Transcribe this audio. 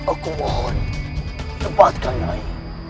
aku mohon lepaskan nani